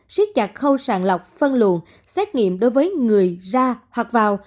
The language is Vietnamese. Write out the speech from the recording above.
siết chặt khâu sàn lọc phân luồn xét nghiệm đối với người ra hoặc vào